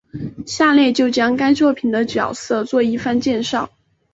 下列就将该作品的角色做一番介绍。